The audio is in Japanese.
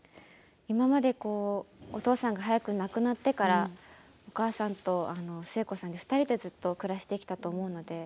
これまでお父さんが早く亡くなってからお母さんと寿恵子さんの２人でずっと暮らしてきたと思うんです。